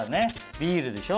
ビールでしょ